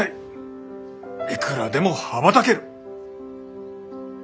いくらでも羽ばたける！